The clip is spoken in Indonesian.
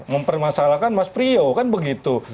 mempermasalahkan mas priyo kan begitu